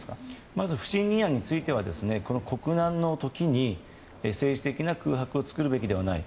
まず不信任案についてはこの国難の時に政治的な空白を作るべきではない。